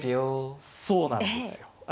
そうなんですよ。